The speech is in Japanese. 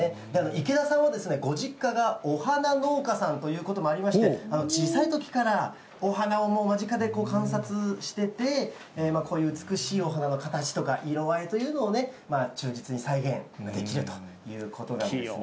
池田さんはご実家がお花農家さんということもありまして、小さいときからお花を間近で観察してて、こういう美しいお花の形とか色合いというのをね、忠実に再現できるということなんですね。